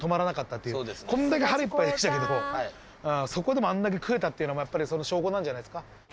こんだけ腹いっぱいでしたけどそこでもあんだけ食えたっていうのもやっぱりその証拠なんじゃないですか。